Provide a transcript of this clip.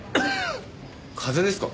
風邪ですか？